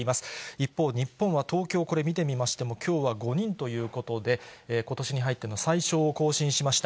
一方、日本は東京、これ見てみましても、きょうは５人ということで、ことしに入っての最少を更新しました。